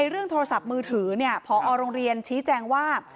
เรื่องโทรศัพท์มือถือพอโรงเรียนชี้แจงว่า